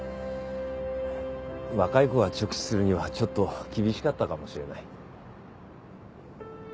若い子が直視するにはちょっと厳しかったかもしれない。